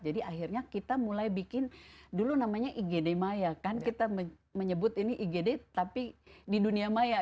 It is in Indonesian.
jadi akhirnya kita mulai bikin dulu namanya igd maya kan kita menyebut ini igd tapi di dunia maya gitu